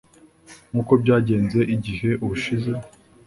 nk’uko byagenze igihe ubushize